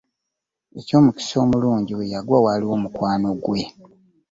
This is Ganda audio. Eky'omukisa omulungi we yagwa waaliwo mukwano gwe.